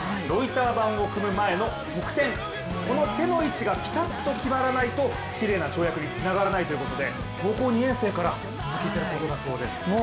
ロイター板を踏む前の側転この手の位置がピタッと決まらないときれいな跳躍につながらないということで、高校２年生から続けてることだそうです。